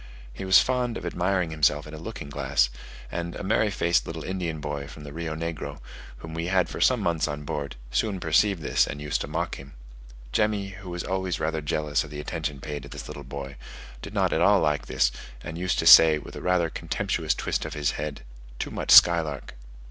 He was fond of admiring himself in a looking glass; and a merry faced little Indian boy from the Rio Negro, whom we had for some months on board, soon perceived this, and used to mock him: Jemmy, who was always rather jealous of the attention paid to this little boy, did not at all like this, and used to say, with rather a contemptuous twist of his head, "Too much skylark."